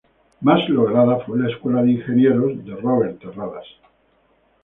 Más lograda fue la Escuela de Ingenieros, de Robert Terradas.